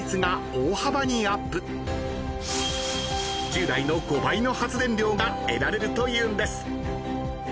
［従来の５倍の発電量が得られるというんです］